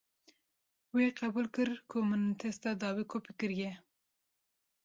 Wê qebûl kir ku min testa dawî kopî kiriye.